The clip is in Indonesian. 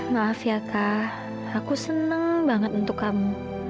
maaf ya kak aku seneng banget untuk kamu